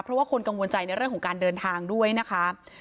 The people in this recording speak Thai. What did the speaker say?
เพราะว่าคนกังวลใจในเรื่องของการเดินทางด้วยนะคะ